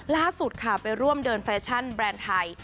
ล่าสุดค่ะไปร่วมเดินแฟชั่นแบรนด์ไทย